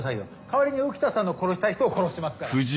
代わりに浮田さんの殺したい人を殺しますから。